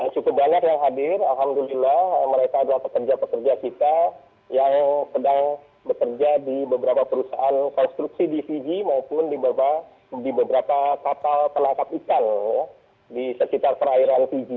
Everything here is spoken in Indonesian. cukup banyak yang hadir alhamdulillah mereka adalah pekerja pekerja kita yang sedang bekerja di beberapa perusahaan konstruksi di fiji maupun di beberapa kapal penangkap ikan di sekitar perairan fiji